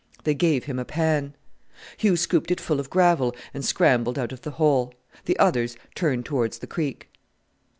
They gave him a pan. Hugh scooped it full of gravel and scrambled out of the hole. The others turned towards the creek.